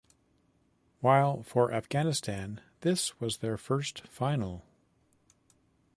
While for Afghanistan this was their first final.